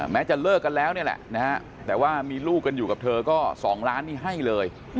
จะเลิกกันแล้วนี่แหละนะฮะแต่ว่ามีลูกกันอยู่กับเธอก็๒ล้านนี่ให้เลย